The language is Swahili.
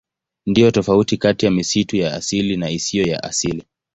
Ndiyo tofauti kati ya misitu ya asili na isiyo ya asili.